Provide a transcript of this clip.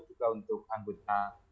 juga untuk anggota